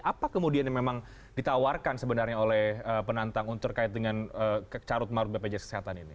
tapi memang ditawarkan sebenarnya oleh penantang untuk terkait dengan carut maut bpjs kesehatan ini